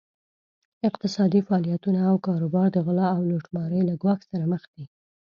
اقتصادي فعالیتونه او کاروبار د غلا او لوټمارۍ له ګواښ سره مخ دي.